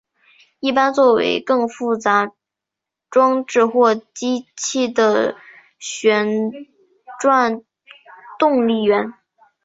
一般作为更复杂装置或机器的旋转动力源。